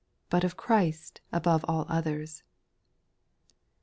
But of Christ above all others.